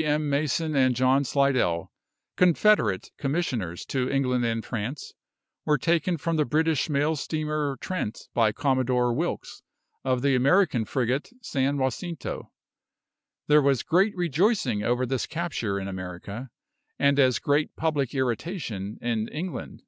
M. Mason and John Slidell, Confederate Commissioners to England and France, were taken from the British mail steamer Trent by Commodore Wilkes, of the American frigate San Jacinto. There was great rejoicing over this capture in America, and as great public irritation in England.